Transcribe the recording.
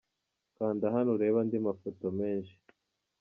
Kanda hano urebe andi mafoto menshi.